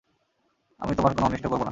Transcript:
আমি তোমার কোন অনিষ্ট করব না।